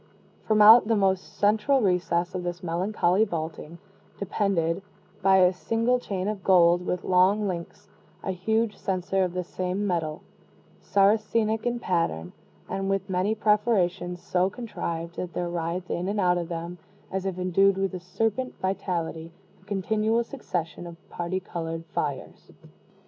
From out the most central recess of this melancholy vaulting, depended, by a single chain of gold with long links, a huge censer of the same metal, Saracenic in pattern, and with many perforations so contrived that there writhed in and out of them, as if endued with a serpent vitality, a continual succession of parti colored fires.